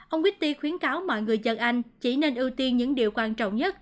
ông quýti khuyến cáo mọi người dân anh chỉ nên ưu tiên những điều quan trọng nhất